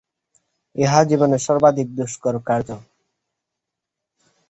ইহাই জীবনের সর্বাধিক দুষ্কর কার্য।